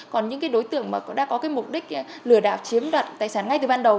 còn những đối tượng đã có mục đích lừa đảo chiếm đoạt tài sản ngay từ ban đầu